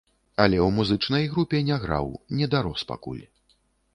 Але ў музычнай групе не граў, не дарос пакуль.